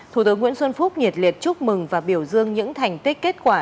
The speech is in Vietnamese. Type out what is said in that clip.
thủ tướng nguyễn xuân phúc nhiệt liệt chúc mừng và biểu dương những thành tích kết quả